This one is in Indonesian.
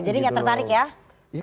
jadi gak tertarik ya